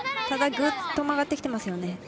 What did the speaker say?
ただ、ぐっと曲がってきますよね。